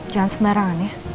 jangan sembarangan ya